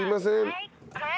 はい。